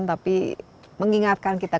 tapi mengingatkan kita